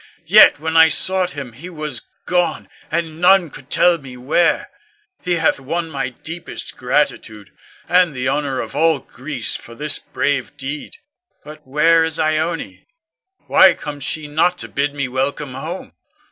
Yet when I sought him, he was gone, and none could tell me where. He hath won my deepest gratitude, and the honor of all Greece for this brave deed. But where is Ione? Why comes she not to bid me welcome home?